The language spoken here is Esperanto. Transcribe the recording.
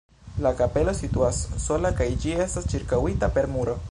La kapelo situas sola kaj ĝi estas ĉirkaŭita per muro.